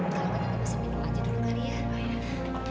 kalau gak ada masalah minum aja dulu kak ria